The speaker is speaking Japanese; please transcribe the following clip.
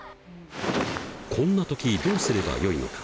こんな時どうすればよいのか。